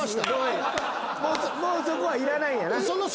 もうそこはいらないんやな。